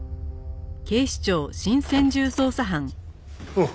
おう。